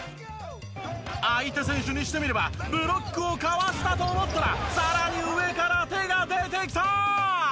相手選手にしてみればブロックをかわしたと思ったらさらに上から手が出てきた！